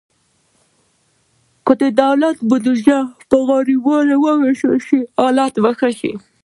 که د دولت بودیجه پر غریبو ووېشل شي، حالت به ښه شي.